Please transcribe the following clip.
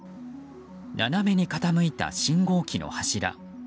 斜めに傾いた信号機の柱。